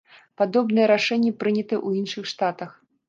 Падобныя рашэнні прынятыя ў іншых штатах.